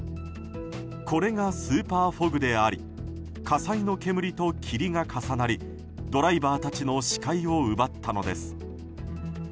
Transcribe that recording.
これがスーパーフォグであり火災の煙と霧が重なりドライバーたちの視界を奪ったのです。